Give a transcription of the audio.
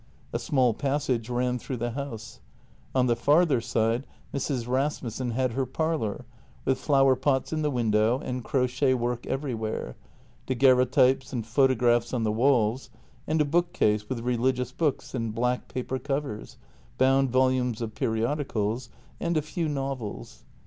A small pas sage ran through the house; on the farther side Mrs. Rasmussen had her parlour, with flower pots in the window and crochet work everywhere, daguerreotypes and photographs on the walls, and a book case with religious books in black paper covers, bound volumes of periodicals, and a few novels.